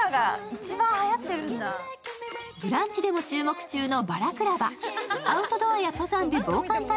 「ブランチ」でも注目中のバラクラバ。